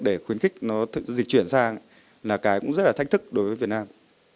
để khuyến khích nó dịch chuyển sang là cái cũng rất là thách thức đối với việt nam